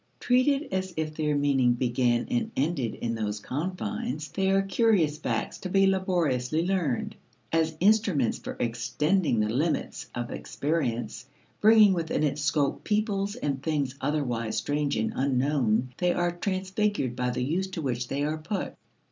Treated as if their meaning began and ended in those confines, they are curious facts to be laboriously learned. As instruments for extending the limits of experience, bringing within its scope peoples and things otherwise strange and unknown, they are transfigured by the use to which they are put.